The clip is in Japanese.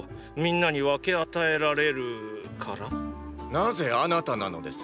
なぜあなたなのです？